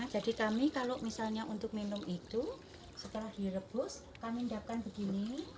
jadi kami kalau misalnya untuk minum itu setelah direbus kami endapkan begini